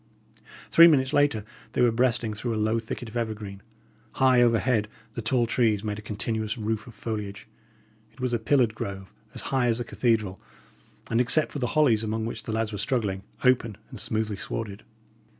Three minutes later, they were breasting through a low thicket of evergreen. High overhead, the tall trees made a continuous roof of foliage. It was a pillared grove, as high as a cathedral, and except for the hollies among which the lads were struggling, open and smoothly swarded.